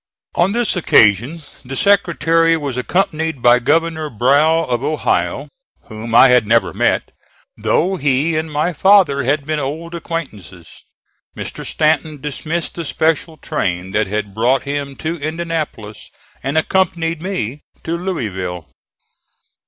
On this occasion the Secretary was accompanied by Governor Brough of Ohio, whom I had never met, though he and my father had been old acquaintances. Mr. Stanton dismissed the special train that had brought him to Indianapolis, and accompanied me to Louisville.